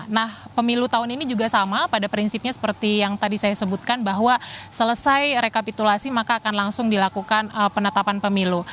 nah pemilu tahun ini juga sama pada prinsipnya seperti yang tadi saya sebutkan bahwa selesai rekapitulasi maka akan langsung dilakukan penetapan pemilu